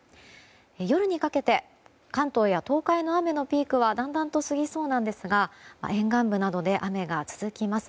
夜にかけて関東や東海の雨のピークはだんだんと過ぎそうなんですが沿岸部などで雨が続きます。